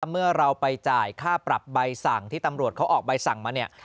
เมื่อเราไปจ่ายค่าปรับใบสั่งที่ตำรวจเขาออกใบสั่งมาเนี่ย